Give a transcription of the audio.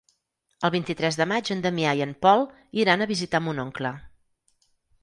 El vint-i-tres de maig en Damià i en Pol iran a visitar mon oncle.